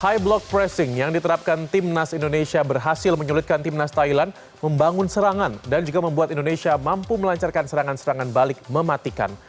high block racing yang diterapkan timnas indonesia berhasil menyulitkan timnas thailand membangun serangan dan juga membuat indonesia mampu melancarkan serangan serangan balik mematikan